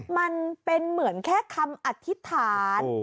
มันเป็นเหมือนแค่คำอธิษฐาน